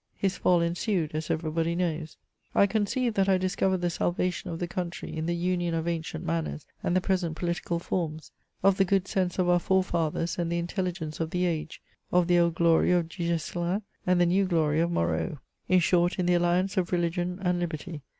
His fall ensued, as every body knows. "I conceived that I discovered the salvation of the country in the union of ancient manners and the present political forms ; of the good sense of our forefathers and the intelligence of the age ; of the old glory of Duguesclin and the new glory of ^ Moreau ; in short, in the alliance of religion and liberty.